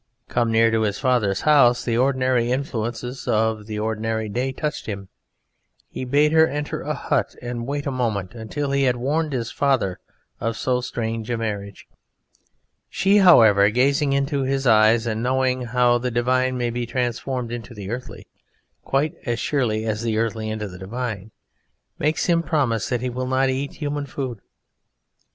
Come near his father's house, the ordinary influences of the ordinary day touched him; he bade her enter a hut and wait a moment until he had warned his father of so strange a marriage; she, however, gazing into his eyes, and knowing how the divine may be transformed into the earthly, quite as surely as the earthly into the divine, makes him promise that he will not eat human food.